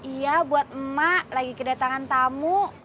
iya buat emak lagi kedatangan tamu